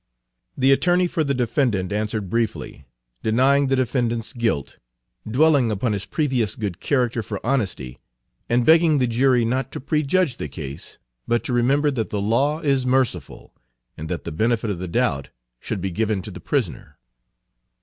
The attorney for the defendant answered briefly, denying the defendant's guilt, dwelling upon his previous good character for honesty, and begging the jury not to prejudge the case, but to remember that the law is merciful, and that the benefit of the doubt should be given to the prisoner.